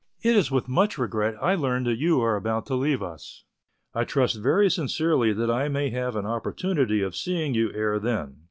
It is with much regret I learn that you are about to leave us. I trust very sincerely that I may have an opportunity of seeing you ere then.